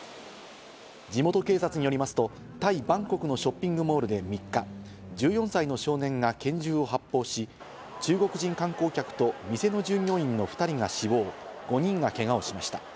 地元警察によりますと、タイ・バンコクのショッピングモールで３日、１４歳の少年が拳銃を発砲し、中国人観光客と、店の従業員の２人が死亡、５人がけがをしました。